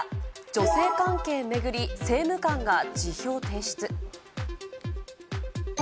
女性関係巡り、政務官が辞表提出。